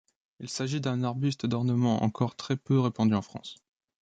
Il s'agit d'un arbuste d'ornement, encore très peu répandu en France.